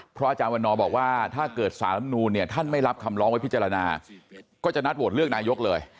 อาจารย์วันนอบอกว่าถ้าเกิดสารลำนูนเนี่ยท่านไม่รับคำร้องไว้พิจารณาก็จะนัดโหวตเลือกนายกเลย